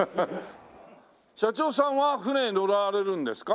社長さんは船乗られるんですか？